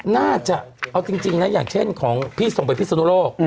น่าจะเอาจริงนะอย่างเช่นของพี่ส่งไปพิศนุโลก